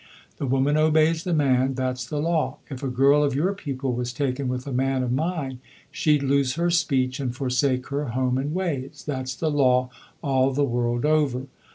The woman obeys the man that's the law. If a girl of your people was taken with a man of mine she'd lose her speech and forsake her home and ways. That's the law all the world over.